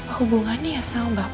apa hubungannya sama bapak